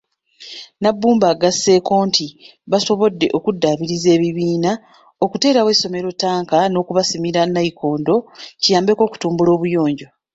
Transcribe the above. Nabbumba agasseeko nti basobodde okuddaabiriza ebibiina, okuteerawo essomero ttanka n'okubasimira Nayikondo kiyambeko okutumbula obuyonjo.